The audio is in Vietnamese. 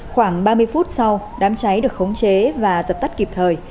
khoảng ba mươi phút sau đám cháy được khống chế và dập tắt kịp thời